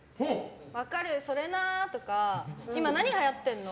分かる、それなとか今、何はやってるの？